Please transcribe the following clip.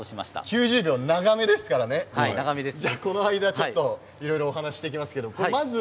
９０秒で長めですからいろいろお話ししていきますね。